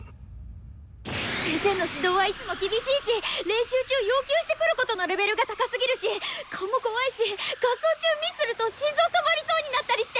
先生の指導はいつも厳しいし練習中要求してくることのレベルが高すぎるし顔も怖いし合奏中ミスすると心臓止まりそうになったりして。